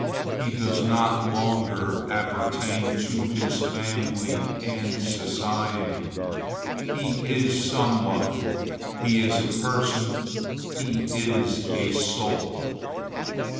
He does not longer appertain to his family and society; he is somewhat; he is a person; he is a soul.